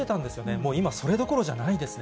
もう今、それどころじゃないですね。